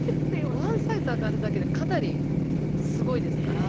ワンサイズ上がるだけでかなりすごいですから。